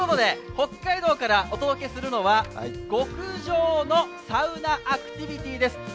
北海道からお届けするのは極上のサウナアクティビティーです。